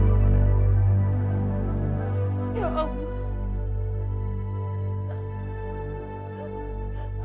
ambi ya allah